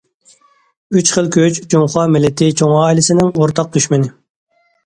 « ئۈچ خىل كۈچ» جۇڭخۇا مىللىتى چوڭ ئائىلىسىنىڭ ئورتاق دۈشمىنى.